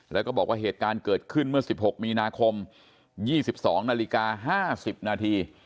แล้วก็บอกว่าเหตุการณ์เกิดขึ้นเมื่อ๑๖มีนาคม๒๒นาฬิกา๕๐นาที